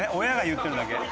親が言ってるだけ。